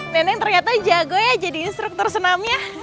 neneng ternyata jago ya jadi instruktur senamnya